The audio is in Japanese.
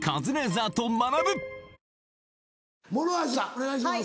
お願いします。